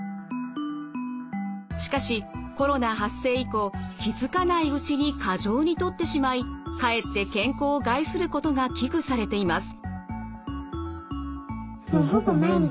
しかしコロナ発生以降気付かないうちに過剰にとってしまいかえって健康を害することが危惧されています。